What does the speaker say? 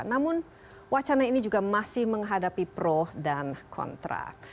namun wacana ini juga masih menghadapi pro dan kontra